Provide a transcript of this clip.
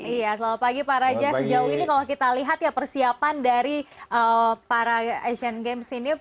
iya selamat pagi pak raja sejauh ini kalau kita lihat ya persiapan dari para asian games ini